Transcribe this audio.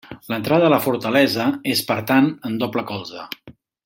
L'entrada a la fortalesa és per tant en doble colze.